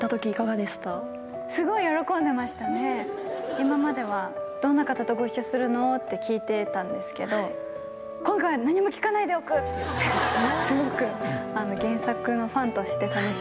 今までは「どんな方とご一緒するの？」って聞いてたんですけど「今回は何も聞かないでおく！」って言ってすごく。